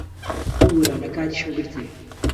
ببوورە، لە کاتیشم گرتی.